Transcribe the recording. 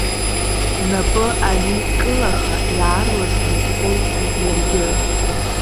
Напы анидкылаха, иаарласны дхәылҵит иаргьы.